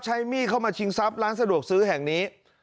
มีดเข้ามาชิงทรัพย์ร้านสะดวกซื้อแห่งนี้